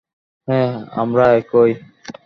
হ্যাঁ, আমরা একই।